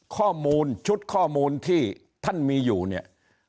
ข้อมูลชุดข้อมูลที่ท่านมีอยู่เนี่ย